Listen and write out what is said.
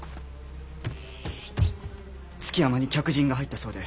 築山に客人が入ったそうで。